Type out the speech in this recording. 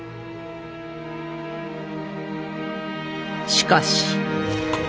しかし。